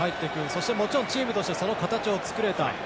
そして、もちろんチームとしてその形を作れた。